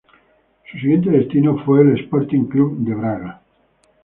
Su siguiente destino fue el Sporting Clube de Braga.